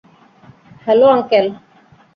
Hello, uncle!